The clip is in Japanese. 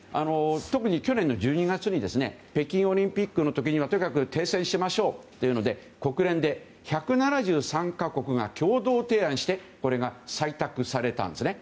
特に去年の１２月に北京オリンピックの時にはとにかく停戦しましょうということで国連で１７３か国が共同提案してこれが採択されたんですね。